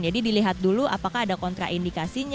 jadi dilihat dulu apakah ada kontraindikasinya